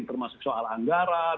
termasuk soal anggaran